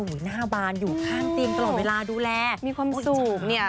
หน้าบานอยู่ข้างเตียงตลอดเวลาดูแลมีความสุขเนี่ย